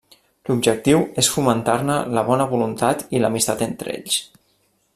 L'objectiu és fomentar-ne la bona voluntat i l'amistat entre ells.